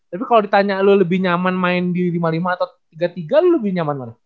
tapi kalo ditanya lu lebih nyaman main di e lima puluh lima atau e tiga puluh tiga lu lebih nyaman mana